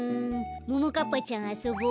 ももかっぱちゃんあそぼ。